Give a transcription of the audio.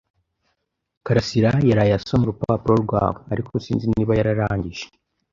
karasira yaraye asoma urupapuro rwawe, ariko sinzi niba yararangije.